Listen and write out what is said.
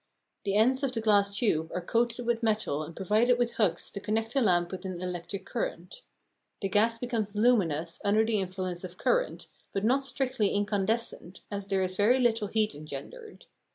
The ends of the glass tube are coated with metal and provided with hooks to connect the lamp with an electric current. The gas becomes luminous under the influence of current, but not strictly incandescent, as there is very little heat engendered.